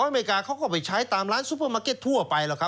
อเมริกาเขาก็ไปใช้ตามร้านซุปเปอร์มาร์เก็ตทั่วไปแล้วครับ